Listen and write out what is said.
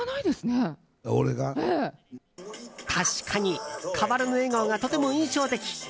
確かに変わらぬ笑顔がとても印象的。